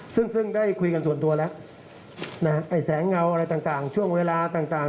ซึ่งได้คุยกันส่วนตัวแล้วนะฮะไอ้แสงเงาอะไรต่างช่วงเวลาต่าง